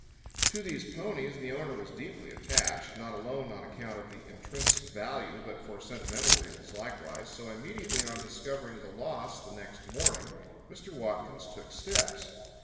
To these ponies the owner was deeply attached, not alone on account of the intrinsic value, but for sentimental reasons likewise. So immediately on discovering the loss the next morning, Mr. Watkins took steps.